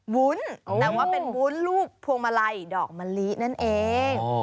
วุ้นแต่ว่าเป็นวุ้นรูปพวงมาลัยดอกมะลินั่นเอง